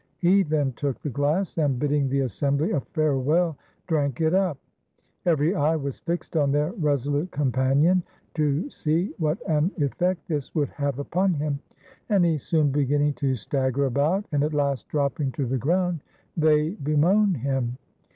He then took the glass and bidding the assembly a farewell, drank it up. Every eye was fixed on their resolute companion to see what an effect this would have upon him and he soon beginning to stagger about and at last dropping to the ground they bemoan him.